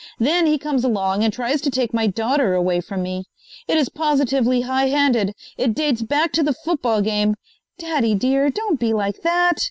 Then he comes along and tries to take my daughter away from me. It is positively high handed. It dates back to the football game " "Daddy, dear, don't be like that!"